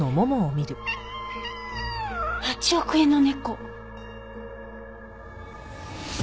８億円の猫。